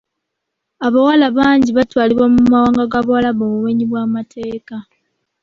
Abawala bangi batwalibwa mu mawanga g'Abawalabu mu bumenyi bw'amateeka.